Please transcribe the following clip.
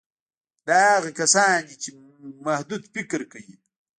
دا هغه کسان دي چې محدود فکر کوي